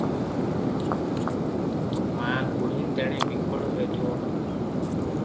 ମାଆ ବୁଢ଼ୀ ତେଣେ ବିକଳ ହେଉଥିବ ।